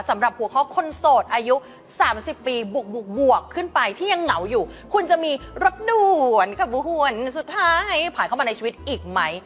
สำหรับหัวข้อคนโสดอายุ๓๐ปีบุกบวกขึ้นไปที่ยังเหงาอยู่คุณจะมีรบด่วนกับหวนสุดท้ายผ่านเข้ามาในชีวิตอีกไหม